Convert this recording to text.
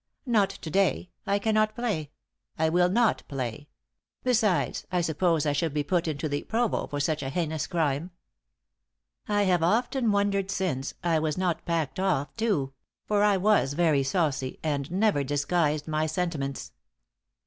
"'Not to day I cannot play I will not play; besides, I suppose I should be put into the Provost for such a heinous crime.' "I have often wondered since, I was not packed off, too; for I was very saucy, and never disguised my sentiments.